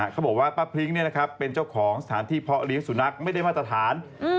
เขาบอกว่าป้าพริ้งเป็นเจ้าของสถานที่เพาะเลี้ยงสุนัขไม่ได้มาตรฐาน